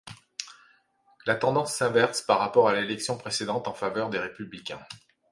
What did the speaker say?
La tendance s'inverse par rapport à l'élection précédente en faveur des républicains.